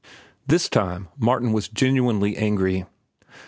This time Martin was genuinely angry.